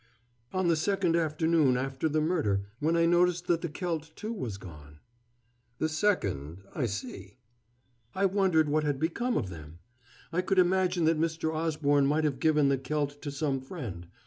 "On the second afternoon after the murder, when I noticed that the celt, too, was gone." "The second I see." "I wondered what had become of them! I could imagine that Mr. Osborne might have given the celt to some friend.